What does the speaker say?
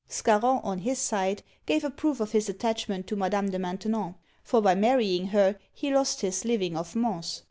Scarron, on his side, gave a proof of his attachment to Madame de Maintenon; for by marrying her he lost his living of Mans.